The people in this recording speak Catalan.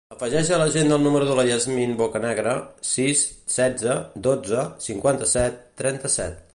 Afegeix a l'agenda el número de la Yasmine Bocanegra: sis, setze, dotze, cinquanta-set, trenta-set.